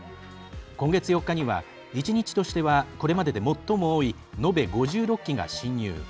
今月４日には、１日としてはこれまでで最も多いのべ５６機が進入。